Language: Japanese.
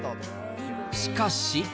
しかし。